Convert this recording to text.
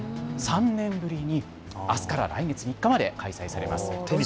３年ぶりにあすから来月３日まで開催されます。